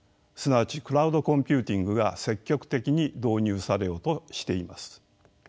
すなわちクラウドコンピューティングが積極的に導入されようとしています。